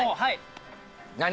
何？